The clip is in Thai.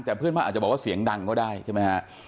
แต่เพื่อนบ้านอาจจะบอกว่าเสียงดังก็ได้ใช่ไหมฮะ